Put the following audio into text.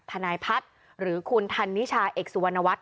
ทนายพัฒน์หรือคุณธันนิชาเอกสุวรรณวัฒน